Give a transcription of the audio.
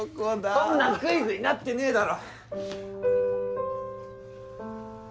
そんなのクイズになってねえだろ！